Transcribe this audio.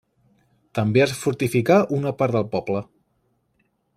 També es fortificà una part del poble.